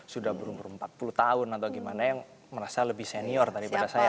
sudah berumur empat puluh tahun atau gimana yang merasa lebih senior daripada saya